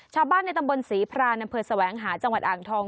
ชาวบ้านในตำบลศรีพรานอำเภอแสวงหาจังหวัดอ่างทอง